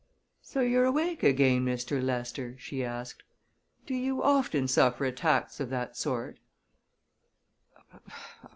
"So you're awake again, Mr. Lester?" she asked. "Do you often suffer attacks of that sort?"